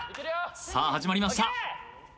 さあ始まりました